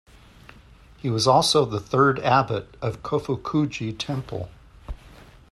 He was also the third abbot of Kofukuji Temple.